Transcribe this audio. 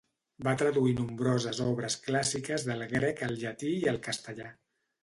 Va traduir nombroses obres clàssiques del grec al llatí i al castellà.